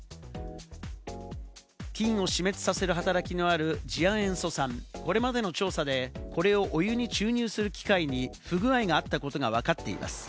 菌を死滅させる働きのある次亜塩素酸、これまでの調査で、これをお湯に注入する機械に不具合があったことがわかっています。